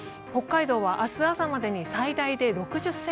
北海道は明日朝までに最大で６０ｃｍ。